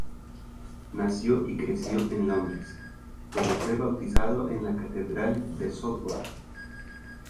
Nació y creció en Londres, donde fue bautizado en la Catedral de Southwark.